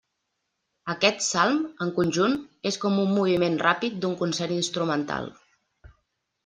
Aquest salm, en conjunt, és com un moviment ràpid d'un concert instrumental.